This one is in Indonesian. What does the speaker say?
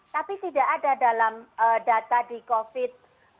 tapi tidak ada dalam data di covid